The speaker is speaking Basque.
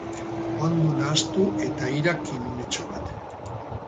Ondo nahastu eta irakin unetxo bat.